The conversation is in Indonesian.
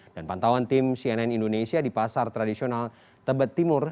dan pantauan tim cnn indonesia di pasar tradisional tebet timur